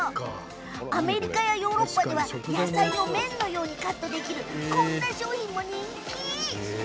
アメリカやヨーロッパでは野菜を麺のようにカットできるこんな商品も人気。